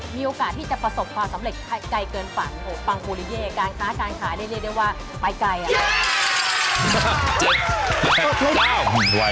มีโอกาสที่จะประสบความสำเร็จไกลเกินฝันปังปูลิเย่การค้าการขายนี่เรียกได้ว่าไปไกลอ่ะ